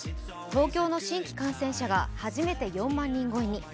東京の新規感染者が初めて４万人超えに。